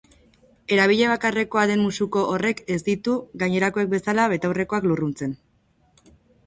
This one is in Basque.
Erabilera bakarrekoa den musuko horrek ez ditu, gainerakoek bezala, betaurrekoak lurruntzen.